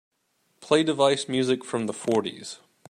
Play Device music from the fourties.